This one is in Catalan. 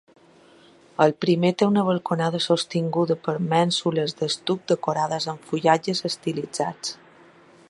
El primer té una balconada sostinguda per mènsules d'estuc decorades amb fullatges estilitzats.